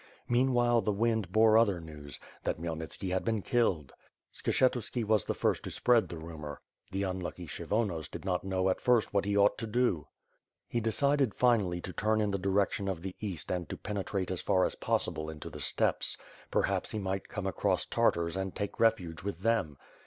Meanwhile, the wind bore other news; that Khmyelnitski had been killed. Skshetuski was the first to spread the rumor. The unlucky Kshyvonos did not know at first what he ought to do. He decided, finally, to tuni in the direction of the East and to penetrate as far as possible into the steppes. Perhaps he might come across Tartars and take refuge with them.